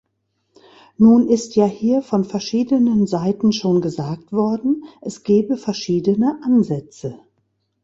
Nun ist ja hier von verschiedenen Seiten schon gesagt worden, es gebe verschiedene Ansätze.